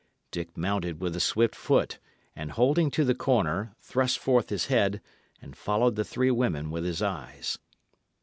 Dick mounted with a swift foot, and holding to the corner, thrust forth his head and followed the three women with his eyes.